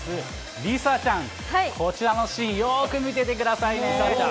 梨紗ちゃん、こちらのシーン、よく見ててくださいね、梨紗ちゃん。